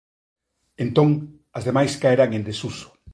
Entón as demais caerán en desuso.